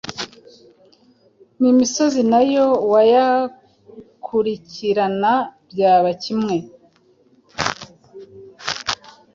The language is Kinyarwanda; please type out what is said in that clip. nimisozi na yo uwayakurikirana byaba kimwe